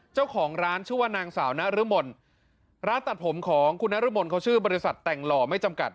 เจ้าของร้านชื่อว่านางสาวนรมนร้านตัดผมของคุณนรมนเขาชื่อบริษัทแต่งหล่อไม่จำกัด